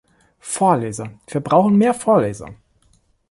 Vorleser, wir brauchen mehr Vorleser!